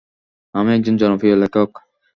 আমি একজন জনপ্রিয় লেখক।